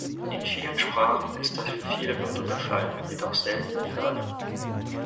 In vielen Sprachen ist das für viele Wörter der Fall, jedoch selten für alle.